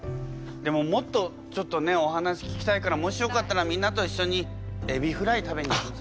でももっとちょっとねお話聞きたいからもしよかったらみんなといっしょにエビフライ食べに行きませんか？